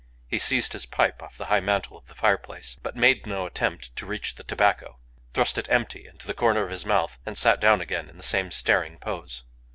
He seized his pipe off the high mantel of the fire place but made no attempt to reach the tobacco thrust it empty into the corner of his mouth, and sat down again in the same staring pose.